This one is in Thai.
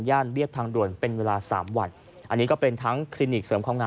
เรียบทางด่วนเป็นเวลาสามวันอันนี้ก็เป็นทั้งคลินิกเสริมความงาม